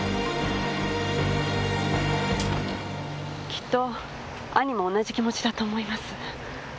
きっと兄も同じ気持ちだと思います。